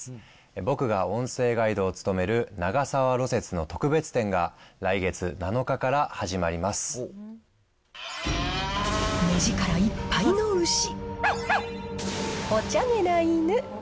僕が音声ガイドを務める長沢芦雪の特別展が、来月７日から始まり目力いっぱいの牛、おちゃめな犬。